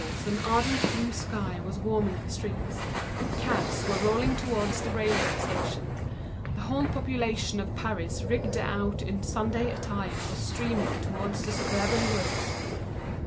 Outside, an ardent blue sky was warming the streets, cabs were rolling towards the railway stations, the whole population, dressed out in Sunday clothes, was streaming in long rows towards the suburban woods.